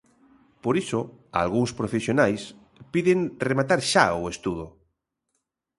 Por iso algúns profesionais piden rematar xa o estudo.